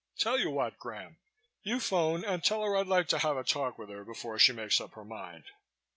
Tell you what, Graham, you phone and tell her I'd like to have a talk with her before she makes up her mind."